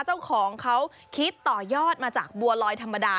เจ้าของเขาคิดต่อยอดมาจากบัวลอยธรรมดา